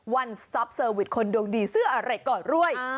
ซอปเซอร์วิสคนดวงดีเสื้ออะไรก่อรวย